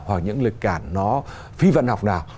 hoặc những lực cản nó phi văn học nào